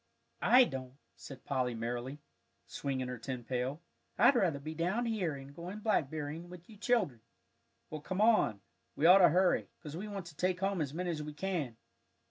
"I don't," said Polly, merrily, swinging her tin pail. "I'd rather be down here and going blackberrying with you children. Well, come on, we ought to hurry, 'cause we want to take home as many as we can."